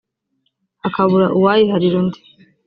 hakabura uwayiharira undi